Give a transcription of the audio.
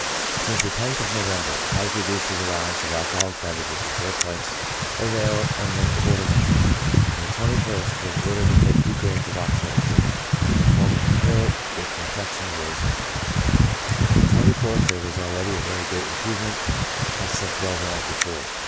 Since the lOth of November, has reduced his allowance of alcoholic beverages to four pints of ale and one quartern of gin. On the 2 ist, was ordered to take two grains of oxide of zinc, in the form of a pill with con fection of roses. On the 24th, there was already a very great improve ment : had slept well the night before.